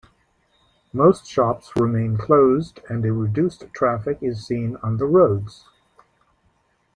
Most shops remain closed and a reduced traffic is seen on the roads.